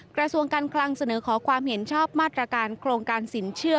กระทรวงการคลังเสนอขอความเห็นชอบมาตรการโครงการสินเชื่อ